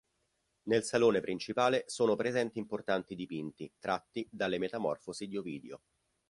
Nel salone principale sono presenti importanti dipinti, tratti da Le metamorfosi di Ovidio.